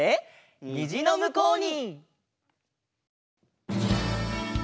「にじのむこうに」！